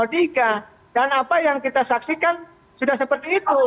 dan apa yang kita saksikan sudah seperti itu